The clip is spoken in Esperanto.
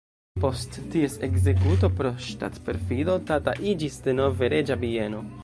Post ties ekzekuto pro ŝtatperfido Tata iĝis denove reĝa bieno.